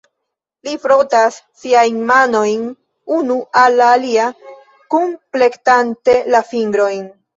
Li frotas siajn manojn unu al la alia kunplektante la fingrojn.